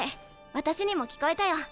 私にも聞こえたよ。